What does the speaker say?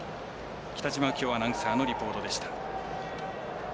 北嶋右京アナウンサーのリポートでした。